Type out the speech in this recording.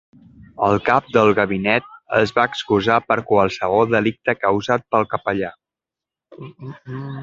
El cap de gabinet es va excusar per qualsevol delicte causat pel capellà.